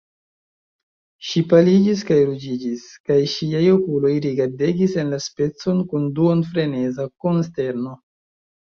Ŝi paliĝis kaj ruĝiĝis, kaj ŝiaj okuloj rigardegis en la spacon kun duonfreneza konsterno.